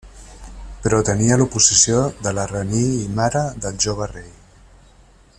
Però tenia l'oposició de la raní i mare del jove rei.